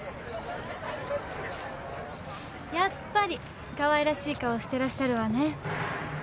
やっぱりかわいらしい顔をしてらっしゃるわね。